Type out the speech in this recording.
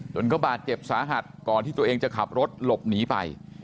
จนก็บาดเจ็บสาหัสก่อนที่ตัวเองจะขับรถหลบหนีไป